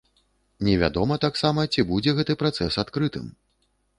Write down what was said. Невядома таксама, ці будзе гэты працэс адкрытым.